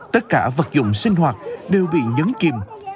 tất cả vật dụng sinh hoạt đều bị nhấn kìm